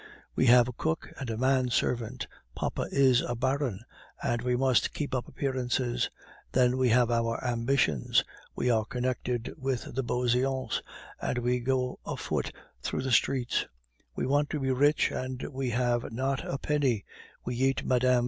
We have a cook and a manservant; papa is a baron, and we must keep up appearances. Then we have our ambitions; we are connected with the Beauseants, and we go afoot through the streets; we want to be rich, and we have not a penny; we eat Mme.